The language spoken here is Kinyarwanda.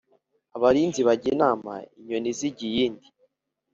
Abalinzi bajya inama inyoni zijya iyindi.